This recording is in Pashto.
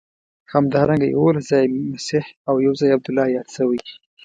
همدارنګه یوولس ځایه مسیح او یو ځای عبدالله یاد شوی.